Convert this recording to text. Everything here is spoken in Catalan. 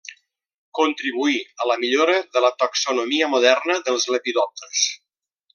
Contribuí a la millora de la taxonomia moderna dels lepidòpters.